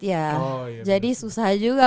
oh iya benar jadi susah juga